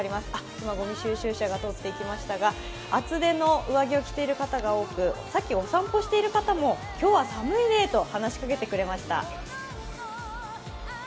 今、ごみ収集車が通っていきましたが厚手の上着を着ている方が多くさっきお散歩をしてる方も今日は寒いねと話しかけてくれました。